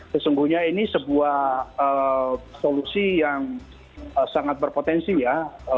sesungguhnya ini sebuah solusi yang sangat berpotensi ya